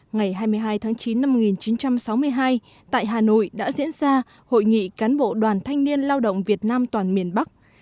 ngày hai mươi hai tháng chín năm một nghìn chín trăm sáu mươi hai tại hà nội đã diễn ra hội nghị cán bộ đoàn thanh niên lao động việt nam toàn miền bắc